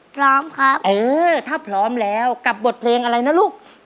พร้อมครับเออถ้าพร้อมแล้วกับบทเพลงอะไรนะลูก